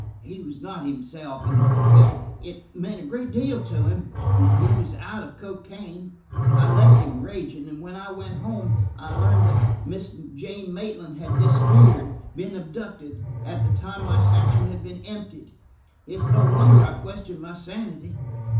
"He was not himself; and, well, it meant a great deal to him. And he was out of cocaine; I left him raging, and when I went home I learned that Miss Jane Maitland had disappeared, been abducted, at the time my satchel had been emptied! It's no wonder I question my sanity."